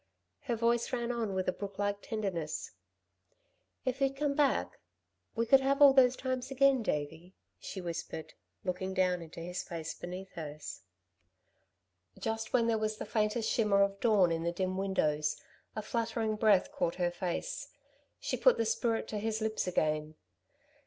Her voice ran on with a brooklike tenderness. "If you'd come back, we could have all those times again, Davey," she whispered, looking down into his face beneath hers. Just when there was the faintest shimmer of dawn in the dim windows, a fluttering breath caught her face. She put the spirit to his lips again.